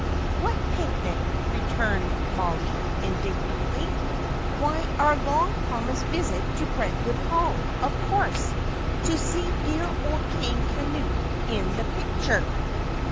"What picnic?" returned Mollie, indignantly. "Why, our long promised visit to Brentwood Hall, of course, to see dear old King Canute in the picture.